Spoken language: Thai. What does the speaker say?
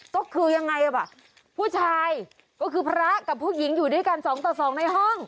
ก็คือยังไงอ่ะผู้ชายก็คือพระกับผู้หญิงอยู่ด้วยกันสองต่อสองในห้อง